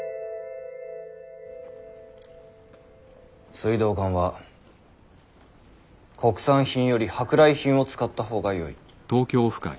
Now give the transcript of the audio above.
水道管は国産品より舶来品を使った方がよい。